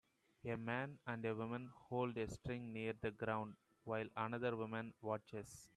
A man and woman hold a string near the ground while another woman watches.